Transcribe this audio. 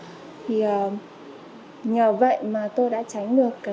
vậy mà tôi đã tránh được cái sự lừa đảo qua cái tin nhắn đấy